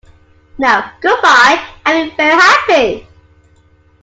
Now, good-bye, and be very happy!